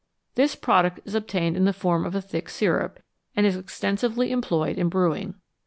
This product is obtained in the form of a thick syrup, and is extensively employed in brewing.